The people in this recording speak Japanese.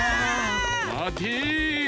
まて！